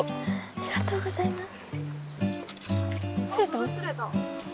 ありがとうございます。